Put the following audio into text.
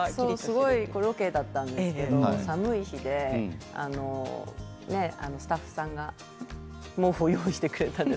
ロケだったんですけど寒い日でスタッフさんが毛布を用意してくれたんです。